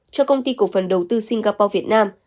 cho công ty cổ phần đầu tư singapore việt nam